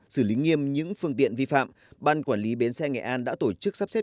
xử lý nghiêm những phương tiện vi phạm ban quản lý bến xe nghệ an đã tổ chức sắp xếp